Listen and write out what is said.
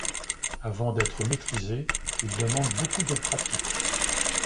Avant d'être maîtrisé, il demande beaucoup de pratique.